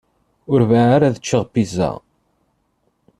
Ur bɣiɣ ara ad ččeɣ pizza.